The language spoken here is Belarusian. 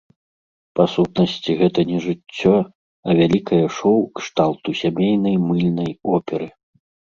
Па сутнасці, гэта не жыццё, а вялікае шоў кшталту сямейнай мыльнай оперы.